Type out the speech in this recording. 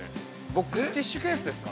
ボックスティッシュケースですか。